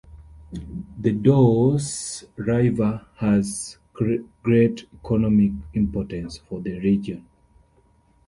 The Doce river has great economic importance for the region.